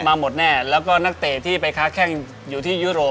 มาหมดแน่แล้วก็นักเตะที่ไปค้าแข้งอยู่ที่ยุโรป